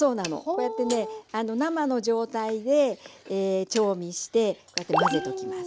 こうやってね生の状態で調味してこうやって混ぜておきます。